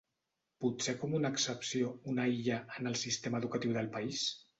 Potser com una excepció, una illa, en el sistema educatiu del país?